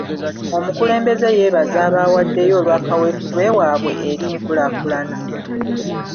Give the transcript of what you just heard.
Omukulembeze yeebaza abaawaddeyo olwa kaweefube waabwe eri nkulaakulana.